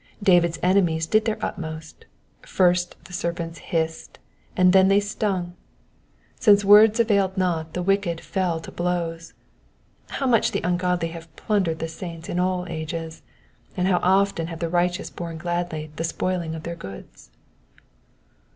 David's enemies did their utmost : first the serpents hissed, and then they stung. Since words availed not, the wicked fell to blows. How much the ungodly have plundered the saints in all ages, and how often have the righteous borne gladly the spoiling of their goods